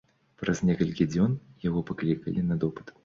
Праз некалькі дзён яго паклікалі на допыт.